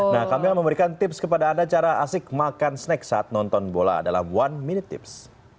nah kami akan memberikan tips kepada anda cara asik makan snack saat nonton bola adalah one minute tips